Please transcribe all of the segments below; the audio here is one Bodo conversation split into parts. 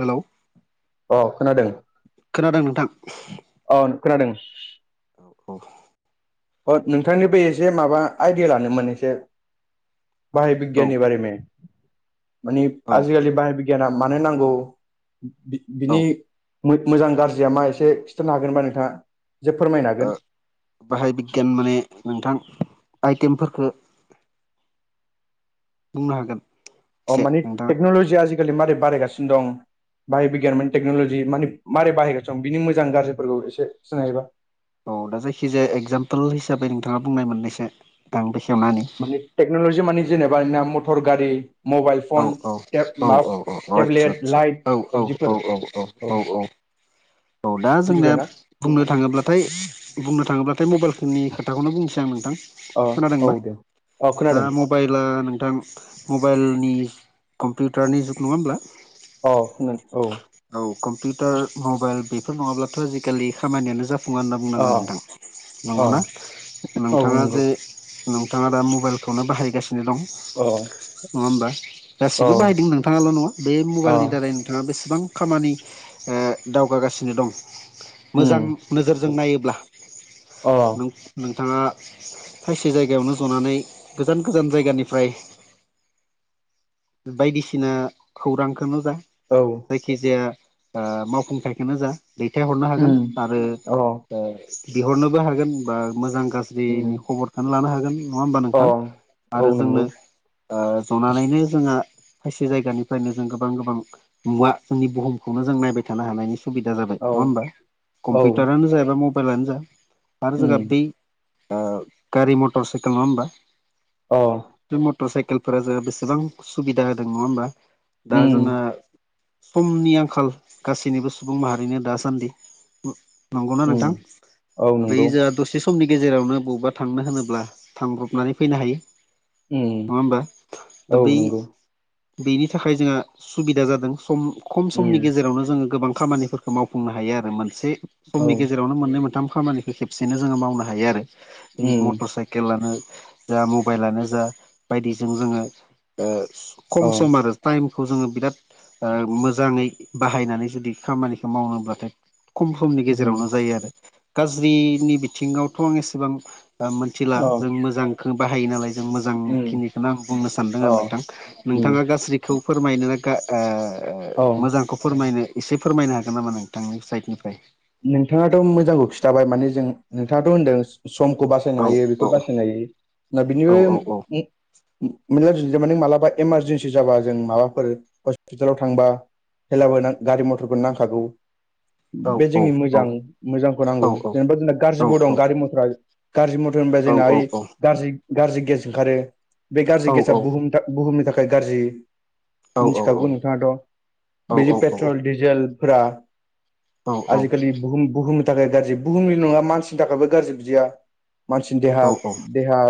हेल' अ खोनादों खोनादों नोंथां औ खोनादों औ औ अ नोंथांनिबो एसे माबा आइडिया लानोन एसे बाहाय बिगियाननि औ बारे मे माने औ आजिखालि बाहाय बिगियाना मानो नांगौ औ बिनि मोजां गाज्रिया मा एसे खिन्थानो हागोन होनबा नोंथाङा जोब फोरमायनो ओ हांगोन बाहाय बिगियान माने नोंथां आइटेमफोरख बुंनो हागोन अ एसे माने नोंथाङा टेक्न'ल'जिया आजिखालि मारै बारायगासिनो दं बाहाय बिगियान माने टेक्नलजि माने मारै बाहायगासि दं बिनि मोजां गाज्रिफोरखौ एसे सिनायबा औ दा जायखिजाया एगजामपोल हिसाबै नोंथाङा बुंनाय मोननायसो आं बेखेवनानानै माने टेक्नलजि माने जेनेबा मटर गारि मबाइल औ फन औ औ माबा औ औ आतसा टेब्लेट आतसा लाइट औ औ औ बिदिफोर औ औ दा जोंनो बुजिबायना बुंनो थाङोब्लाथाय बुंनो थाङोब्लाथाय मबाइलफोरनि खोथाखौनो बुंनोसै आं नोंथां अ औ खोनादोंबा दे अ दा खोनादों मबाइला नोंथां मबाइलनि कम्पिउटारनि जुग नङा होमब्ला अ नों औ औ कम्पिउटार मबाइल बेफोर नङाब्लाथ' आजिखालि खामानियानो जाफ फुङा होनना अ बुंनांगोन नोंथां औ नंगौना औ नोंथाङा नंगौ जे नोंथाङा दा मबाइलखौनो बाहायगासिनो दं औ नङा होमबा औ गासिबो बाहायदों नोंथाङाल' नङा बे अ मबाइलनि दारै नोंथाङा बेसेबां खामानि ओ दावगागासिनो दं मोजां उम नोजोरजों नायोब्ला अ नों नोंथाङा खायसे जायगायावनो जनानै गोजान गोजान जायगानिफ्राय बायदिसिना खौरांखौनो जा औ जायखि जाया ओ मावफुंथायखौनो जा दैथायहरनो हागोन उम आरो अ बिहरनोबो हागोन बा मोजां उम गाज्रिनि खबरखौनो लानो हागोन नङा होमबा अ नोंथां औ आरो जोंनो नंगौ जनानैनो जोंहा खायसे जायगानिफ्रायनो जों गोबां गोबां मुवा जोंनि बुहुमखौनो जों नायबाय थानो हानायनि सुबिदा जाबाय औ नङा होमबा औ कम्पिउटारानो जा बा मबाइलानो जा आरो उम जोंहा बै ओ गारि मथर साइकेल नङा होमबा औ बे मटर साइकेलफोरा जोंहा बेसेबां सुबिदा होदों नङा होमबा दा उम जोंना समनि आंखाल गासैनिबो सुबुं माहारिनो दासान्दि नंगौना उम नोंथां औ बै नंगौ जा दसे से समनि गेजेरावनो बबेबा थांनो होनोब्ला थांब्रबनानै फैनो हायो उम नङा होमबा दा औ बै नंगौ बेनि थाखाय जोंहा सुबिदा जादों सम खम समनि उम गेजेरावनो जोङो गोबां खामानिफोरखौ मावफुंनो हायो आरो मोनसे औ समनि गेजेरावनो मोननै मोनथाम खामानिखौ खेबसेनो जोङो मावनो हायो आरो बे उम मटर साइकेलानो जा मबाइलानो जा बायदिजों जोङो ओ अ खम सम आरो टाइमखौ जोङो बिराद मोजाङै बाहायनानै जुदि खामानिखौ मावोब्लाथाय खम समनि उम गेजेरावनो जायो आरो गाज्रिनि बिथिङावथ' आं एसेबां मोनसे मिथिला अ जों मोजांखौ बाहायो नालाय जों मोजां उम खिनिखौनो आं बुंनो सानदों अ आरो नोंथां उम नोंथाङा गाज्रिखौ फोरमायनो औ [unintelligible] मोजां खौ फोरमायनो एसे फोरमायनो हागोन नामा नोंथांनि साइडनिफ्राय नोंथाङाथ' मोजांखौ खिन्थाबाय माने जों नोंथाङाथ' होन्दों समखौ औ बासायनो हायो औ बेखौ बासायनो हायो दा औ बिनिबो औ [unintelligible] मालाबा इमारजेन्सि जाबा जों माबाफोर हस्पितालाव थांबा हेलाबो नों गारि मथरखौनो नांखागौ औ बे जोंनि मोजां औ मोजांखौ नांगौ औ औ जेनेबा जोंना औ गाज्रिबो दं गारि मथरा गाज्रि मथर होनबा जोंना ओइ ग गाज्रि गेस ओंखारो बे गाज्रि गेसा बुहुम बुहुमनि थाखाय गाज्रि मिथिखागौ नोंथाङाथ' बे पेट्रल दि जेलफ्रा आजिखालि बुहुम बुहुमनि थाखाय गाज्रि बुहुमनि नङा मानसिनि थाखायबो गाज्रि बिदिया मानसिनि देहा देहा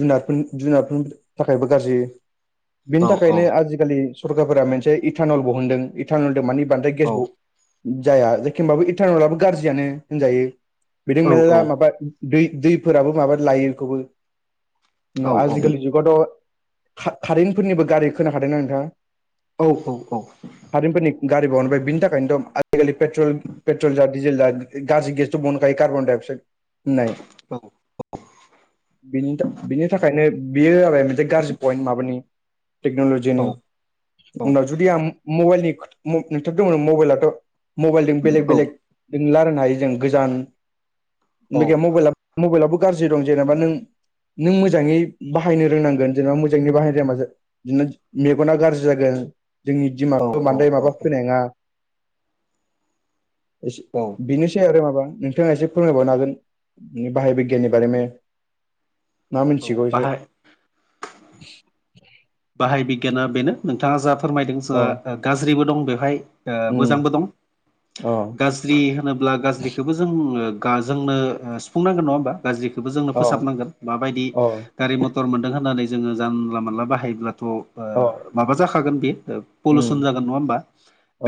जुनारफोरनि जुनारफोरनि थाखायबो गाज्रि बिनि थाखायनो आजिखालि सरकारफोरा मोनसे इटानल ब होनुनदों इटानलदों माने बांद्राय गेसबो जाया जखोमबाबो इटारनलाबो गाज्रियानो होनजायो बिदि मेरला माबा दै दैफोराबो माबा लायो बेखौबो न आजिखालि जुग गथ' का-कारेन्फोरनिबो गारि खोनाखादोंनाा नोंथां औ औ औ खारेनफोरनि गारि बावनोबाय बिनि थाखायनोथ' आजिखालिेट्रल पेट्रल जेब्ला गाज्रि गेस बखायो कार्बन डाइ अक्साइड होननाय ओ [inaudible] बिनि थाख बिनि थाखायनो बेयो जाबाय मोनसे गाज्रि पइन्ट माबानि टेक्नलज जुनि उनाव जुदि आं मबाइलनि [unintelligible] मबाइलाथ' मबाइलजों बेलेग बेलेगजों लारायनो हायो जों गोजान [unintelligible] मबाइ मबाइलावबो गाज्रि दं जेनेबा नों नों मोजाङै बाहायनो रोंनांगोन जेनेबा मोजाङै बाहायनो रोङाब्ला नो मेगना गाज्रि जागोन जोंनि दिमाखौ औ औ बांद्राय माबा फैनाय नङा। ओस औ बेनोसै आरो माबा नोंथाङा एसे फोरमायबावनो हागोन बाहाय बिगियाननि बारैनो। मा मिन्थिग' एसे बाहाय बाहाय बिगियाना बेनो नोंथाङा जा फोरमायदों जोंहा अ ओ गाज्रिबो दं बेवहाय ओ उम मोजांबो दं। अ गाज्रि होनोब्ला गाज्रिखोबो जोङो गावजोंनो ओ सुफुंनांगोन नङा होमबा? गाज्रिखौबो जोंनो अ फोसाबनांगोन मा बायदि अ गारि मथर मोनदों होननानै जोङो जानला मोनानला बाहायोब्लाथ' औ माबा जाखागोन बेयो ओ पलुसन जागोन नङा होमबा।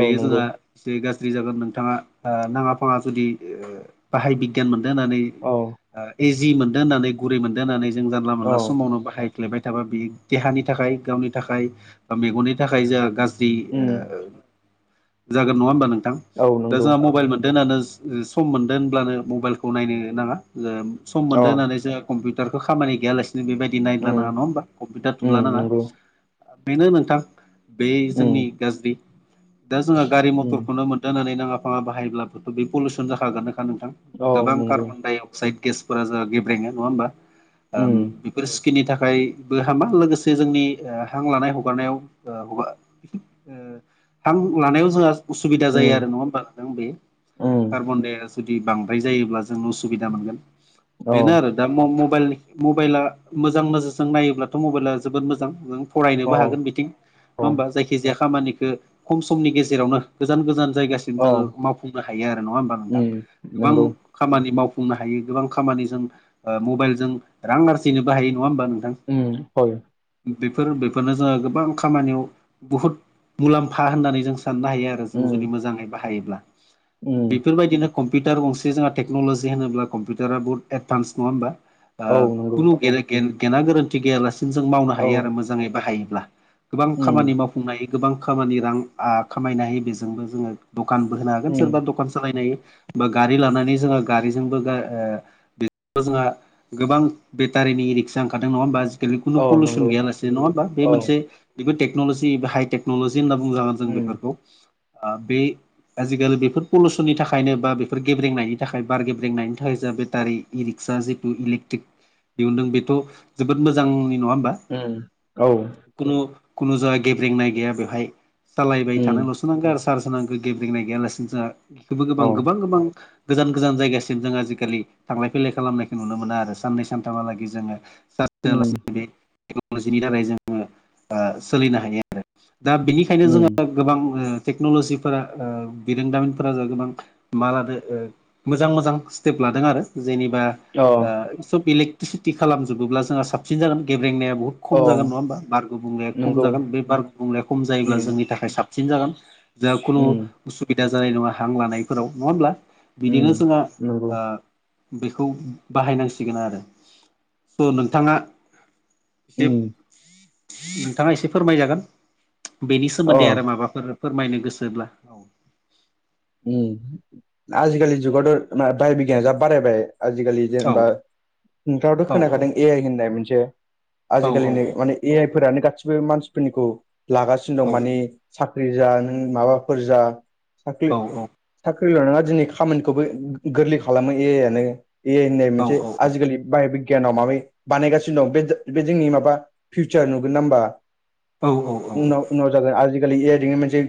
औ नंगौ जोंहा जै गाज्रि जागोन नोंथाङा नाङा फाङा जुदि बाहाय बि गियान मोनदों होनानै औ ओ एजि मोनदों होननानै गुरै मोनदों होननानै जों जानला औ मोनानला समावनो बाहाय फ्लेबाय थाबा बे देहानि थाखाय गावनि थाखाय ओ मेगननि थाखाय जोहा गाज्रि जि ओ उम ओ जागोन नङा होमबा नोंथां। औ दा नंगौ जोंहा मबाइल मोनदों होनानो ओ सम मोनदों होनब्लानो मबाइलखौ नायनो नाङा। ओ सम अ मोनदों होननानैसो कम्पिउटारखौ खामानि गैयालासिनो बेबायदिनायला उम नाङा नङा होमबा कम्पिउटार थुला उम नाङा। नंगौ बेनो नोंथां बे उम जोंनि गाज्रि दा जोंहा गारि उम मथरखौनो मोन जाननानै नाङा फाङा बाहायब्लाबोथ' बे पलिउसन जाखागोन नानोखा नोंथां। औ गोबां नंगौ कार्बन डाय साइड गेसफोरा जोंहा गेब्रेङा नङा होमबा। उम बेफोर स्किननि थाखायबो हामा लोगोस से जोंनि ओ हां लानाय हगारनायाव ओ हुवा ओ हां लानायाव जोंहा उसुबिदा जायो आरो उम नङा होमबा नोंथां बे। उम कार्बन डाया जुदि बांद्राय जायोब्ला जों उसुबिदा मोनगोन औ बेनो आरो। दा म-मबाइलनि मबाइला मोजां नोजोरजों नायोब्लाथ' मबाइला जोबोद मोजां नों फरायनोबो औ हागोन बिथिं औ नङा होमबा? जायखि जाया खामानिखो खम समनि गेजेरावनो गोजान गोजान जायगा सिम औ जोङो मावफुंनो हायो आरो नङा होमबा नोंथां। उम गोबां नंगौ खामानि मावफुंनो हायो गोबां खामानिजों ओ मबाइलजों रां आरजिनोबो हायो नङा होमबा नोंथां। उम हय बेफोर बेफोरनो जोङो गोबां खामानियाव बुहुद मुलाम्फा होननानै जों साननो हायो आरो। उम जों मोजाङै बाहायोब्ला। उम बेफ फोरबायदिनो कम्पिउटार गसे जोंहा टेक्नल'जि होनोब्ला कम्पिउटारा बुहुद एदबान्स नङा होमबा। आ औ नंगौ खुनु गेन-गेना गोरोन्थि गैयालासिनो जों मावनो औ हायो आरो मोजाङै बाहायोब्ला। गोबां उम खामानि मावफुंनो हायो। गोबां खामानि रां आ खामायनो हायो बेजोंबो जोङो दखानबो होनो हागोन उम सोरबा दखान सालायनो हायो बा गारि लानानै जोङो गारिजोंबो गा ओ बे जोंहा गोबां बेटारिनि रिक्सा ओंखारदों नङा होमबा? आजिखालि औ पलुसन नंगौ गयालासेै नङा होमा बे औ मोन बेखौ टेक्न'लजि एा हाइटेक न'लजि होनना बुंजागोन जों उम बेफोरखौ। ओ बे आजिखालि बेफोर पलुसननि थाखायनो बा बेफोर गेब्रेंनायनि थाखाय बार गेब्रेंनायनि थाखाय जाों बेटारि इ रिक्सा जि इउलेक्ट्रिक दिहुनदों बेथ' जोबोद मोजांनि नङा उम औ खुनु खुनु जा गेब्रेंनाय गैया बेवहाय सालायबाय उम थानायल'सो नांगोन आरो थारसो नांगो गेब्रेेंनाय गैयालासिनो जोंहा बेबो गोबां औ गोबां गोजान गोजान जायगासिम जों आजिखालि थांलाय फैलाय खालामनायखौ नुनो मोना आरो साननै सानथामहालागै जोङो थास उम टेक्न'लजिनि दारै जोङो आ सोलिनो हायो आरो। दा बिनिखायनो उम जोङो। गोबां टेक्न'ल'जिफोरा ओ बिरोंदामिनफोरा जो गोबां मा लादो मोजां मोजां स्टेप लादों आरो जेनेबा अ सब इलेकट्रिसिटि खालामजोबोब्ला जोंहा साबसिन जागोन गेब्रेंनाया बहुत औ खम जागोन नङा होमबा बार गुबुंलेया खम नंगौ जागोन बे बार गुबुंलेया खम जायोब्ला उम जोंनि थाखाय साबसिन जागोन। जा खुनु उम उसुबिदा जानाय नङा हां लानायफोराव नङा होमब्ला? उम बिदिनो जोङो नंगौ ओ बेखौ बाहायनांसिगोन आरो स' नोंथाङा एसे उम नोंथाङा एसे फोरमायजागोन बेनि अ सोमोन्दै आरो माबाफोर फोरमायनो गोसोब्ला औ आजिखालि जुगावथ' बाहाय बिगियान जा बारायबाय आजिखालि औ जेनेबा नोंथाङावथ' औ खोनाखादों ए होननाय मोनसे औ औ आजिखालिनो माने ए आइ फोरानो गासिबो मानसिफोरनिखौ। लागासिनो दं माने साख्रि जा नों माबाफोर जा साख्रि। साख्रिल' नङा दिनै खामानिखौबो गोरलै खालामो ए आइयानो। ए होननाय मोनसे आजिखालि बाह बिगियानाव माबै। बानायगासिनो दं बे बे जोंनि माबा फिउचार नुगोन ना होमबा। औ औ औ औ। उन आजिखालिरै मोनसे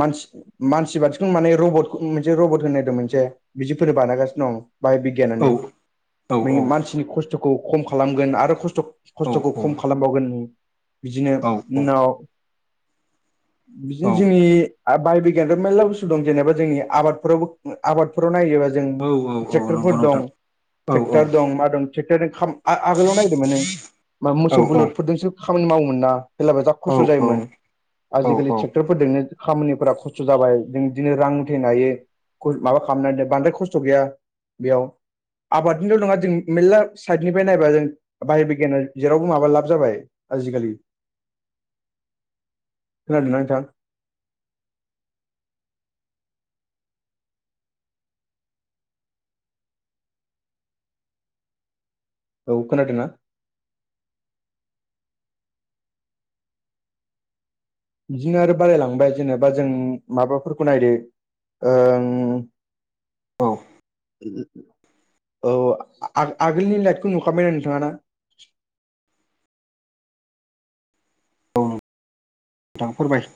मानसि मानसिबायदिखौनो माने। रब मोनसे रबत होननायदों मोनसे बिदिफोरनो बानायगासिनो दं बाहाय। गियानानो मानसिनि खस्थ'खौ खम खालामगोन आरो खस्थ'। खस्थ'खौ खम खालामबावगोन बिदिनो औ उनाव। औ बिदिनो जोंनि बाय बिगियान' मेरला बुस्थु दं जेनेबा। जोंनि आबादफोराव आबादफोराव नायोबा। जों औ नंगौ ट्रेक्ट'रफोर नोंथां दं औ ट्रेक्टर दं मा दं ट्रेक्टरजों। आगोलाव नायदोंमोन नों औ मोसौ औ बुलदफोरजोंसो खामानि मावोमोन ना। जेलाबो जा खस्थ' जायोमोन औ आजिलि थ। क्टर फोरजोंनो खामानिफोरा खस्थ' जाबाय जों दिदिनो रां। फथैनो हायो माबा खालामनानैनो बांद्राय खस्थ' गैया बेयाव। आबादनिल' नङा जों मेर्ला साइडनिफ्राय नायबा जों बाह बिगियाना जेरावबो माबा लाब जाबाय। आजिखालि खोनादोंना नोंथां? औ खोनादों ना? बिदिनो आरो बारायलांबाय जेनेबा जों माबाफोरखौ नायदो। ओं। औ। औ आगोलनि लाइटखौ नुखाबायना नोंथाङा ना। औ नोंथाङ फोरबाय।